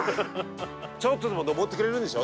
ちょっとでも上ってくれるんでしょ？